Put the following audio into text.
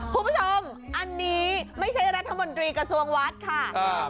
ผู้ชมอันนี้ไม่ใช่รัฐบุรตีกระทรวงวัฒนธรรมค่ะ